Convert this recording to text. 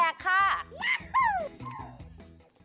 ย้าหู้